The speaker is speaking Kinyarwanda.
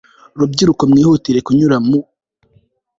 rubyiruko mwihutire kunyura mu